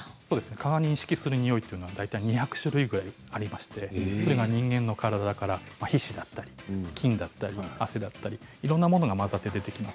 蚊の認識するにおいは２００種類ぐらいありまして人間の体から皮脂だったり菌だったり汗だったりいろんなものが混ざって出てきます